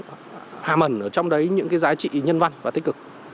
và hàm ẩn ở trong đấy những cái giá trị nhân văn và tích cực